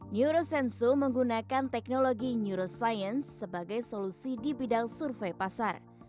neurocenzoom menggunakan teknologi neuroscience sebagai solusi di bidang survei pasar